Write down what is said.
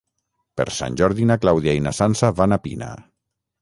Per Sant Jordi na Clàudia i na Sança van a Pina.